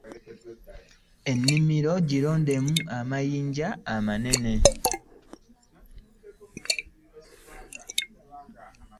Ennimiro girondemu amayinja amanene.